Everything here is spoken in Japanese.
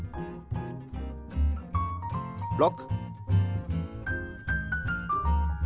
６。